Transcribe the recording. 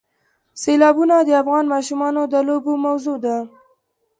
سیلابونه د افغان ماشومانو د لوبو موضوع ده.